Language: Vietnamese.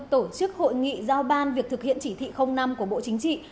tổ chức hội nghị giao ban việc thực hiện chỉ thị năm của bộ chính trị